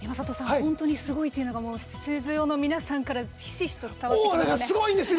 本当にすごいというのがスタジオの皆さんからひしひしと伝わってきますね。